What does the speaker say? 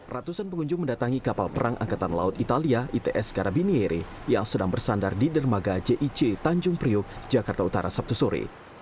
ratusan pengunjung mendatangi kapal perang angkatan laut italia its karabiniere yang sedang bersandar di dermaga jic tanjung priok jakarta utara sabtu sore